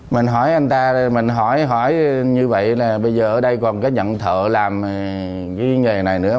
mình hỏi anh ta mình hỏi như vậy là bây giờ ở đây còn cái nhận thợ làm cái nghề này nữa